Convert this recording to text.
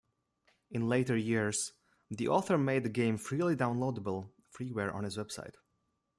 In later years the author made the game freely downloadable Freeware on his website.